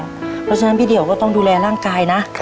เพราะฉะนั้นพี่เดี่ยวก็ต้องดูแลร่างกายนะ